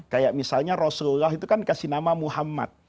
kayak misalnya rasulullah itu kan kasih nama muhammad